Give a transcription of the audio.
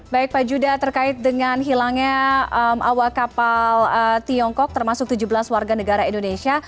baik pak judah terkait dengan hilangnya awak kapal tiongkok termasuk tujuh belas warga negara indonesia